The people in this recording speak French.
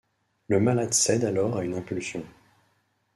Le malade cède alors à une impulsion.